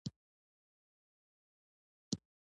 کورنۍ اخلاق او ادب زده کوي.